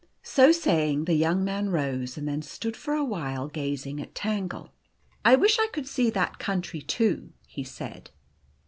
So saying, the young man rose, and then stood a while gazing at Tangle. " I wish I could see that country too," he said.